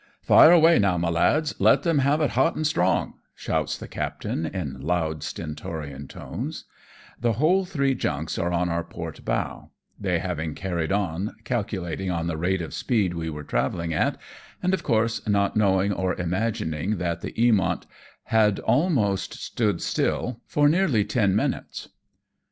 " Fire away, now, my lads, let them have it hot and strong," shouts the captain in loud stentorian tones. The whole three junks are on our port bow, they having carried on, calculating on the rate of speed we were travelling at, and of course not knowing or imagining that the Eamofit had almost stood still for FIRING ON THE PIRATE JUNKS. FROM NAGASAKI TO WOOSUNG. 213 nearly ten minutes.